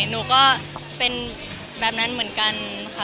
หนูก็เป็นแบบนั้นเหมือนกันค่ะ